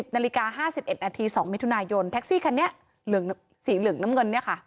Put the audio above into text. นาฬิกา๕๑นาที๒มิถุนายนแท็กซี่คันนี้สีเหลืองน้ำเงินเนี่ยค่ะ